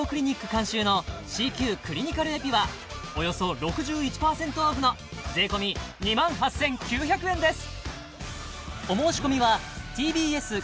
監修のＣＱクリニカルエピはおよそ６１％オフの税込２８９００円です